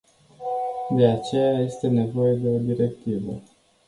De aceea, este nevoie de o directivă.